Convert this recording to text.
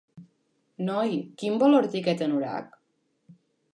Noi, quin valor té aquest anorac?